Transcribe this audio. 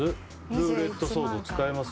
ルーレットソード使います？